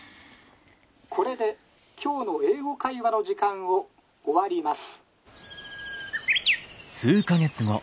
これで今日の『英語会話』の時間を終わります」。